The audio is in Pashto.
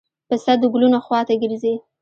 پسه د ګلونو خوا ته ګرځي.